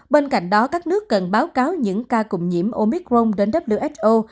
bên cạnh đó các nước cần báo cáo những ca cùng nhiễm omicron đến who